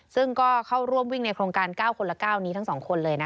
ซึ่งก็เข้าร่วมวิ่งในโครงการ๙คนละ๙นี้ทั้ง๒คนเลยนะ